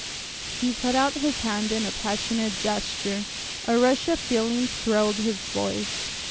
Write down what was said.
He put out his hand in a passionate gesture, a rush of feeling thrilled his voice.